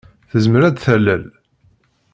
Tezmer ad d-talel.